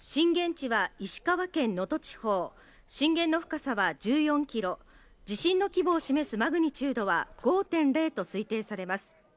震源の深さは１４キロ、地震の規模を示すマグニチュードは５．０と推定されます。